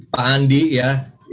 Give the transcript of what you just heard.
pak andi ya